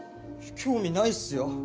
興味ないっすよ。